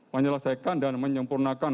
menyelesaikan dan menyempurnakan